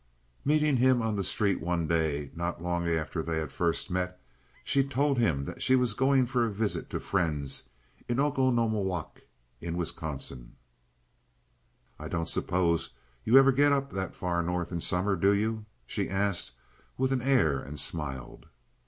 Meeting him on the street one day not long after they had first met, she told him that she was going for a visit to friends at Oconomowoc, in Wisconsin. "I don't suppose you ever get up that far north in summer, do you?" she asked, with an air, and smiled.